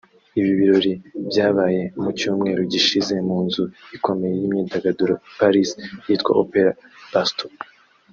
Ibi birori byabaye mu cyumweru gishize mu nzu ikomeye y’imyidagaduro i Paris yitwa Opéra Bastille